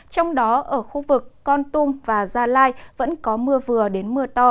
trong đó ở khu vực con tum và gia lai vẫn có mưa vừa đến mưa to